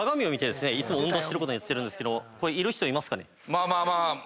まあまあまあ。